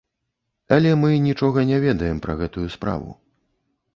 Але мы нічога не ведаем пра гэтую справу.